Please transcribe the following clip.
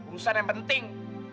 urusan yang penting